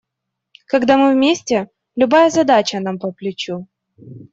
Когда мы вместе, любая задача нам по плечу.